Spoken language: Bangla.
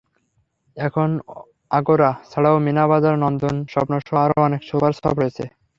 এখন আগোরা ছাড়াও মিনা বাজার, নন্দন, স্বপ্নসহ আরও অনেক সুপারশপ হয়েছে।